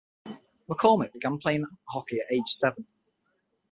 MacCormik began playing hockey at age seven.